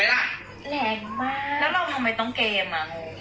แล้วเราทำไมต้องเก่งอะมั้ง